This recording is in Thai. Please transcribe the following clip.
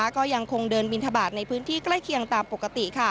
ก็ยังคงเดินบินทบาทในพื้นที่ใกล้เคียงตามปกติ